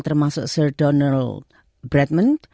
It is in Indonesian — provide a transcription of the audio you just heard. termasuk sir donald bradman